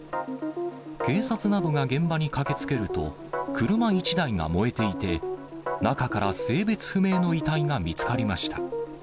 警察などが現場に駆けつけると、車１台が燃えていて、中から性別不明の遺体が見つかりました。